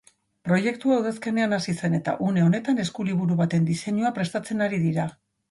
Proiektua udazkenean hasi zen eta une honetan eskuliburu baten diseinua prestatzen ari dira.